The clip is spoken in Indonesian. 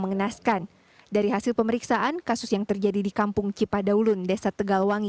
mengenaskan dari hasil pemeriksaan kasus yang terjadi di kampung cipadaulun desa tegalwangi